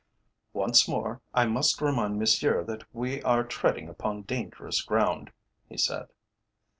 "Once more I must remind Monsieur that we are treading upon dangerous ground," he said.